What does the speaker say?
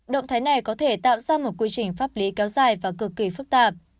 động thái này có thể tạo ra một quy trình pháp lý kéo dài và cực kỳ phức tạp